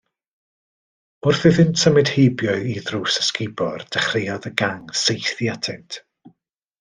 Wrth iddynt symud heibio i ddrws ysgubor, dechreuodd y gang saethu atynt.